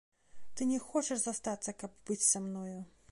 Ты не хочаш застацца, каб быць са мною.